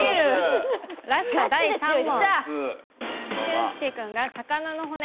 ラスト、第３問！